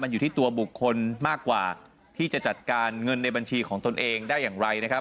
อยู่ที่ตัวบุคคลมากกว่าที่จะจัดการเงินในบัญชีของตนเองได้อย่างไรนะครับ